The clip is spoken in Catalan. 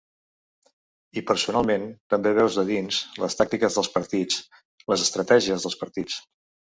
I personalment també veus de dins les tàctiques dels partits, les estratègies dels partits.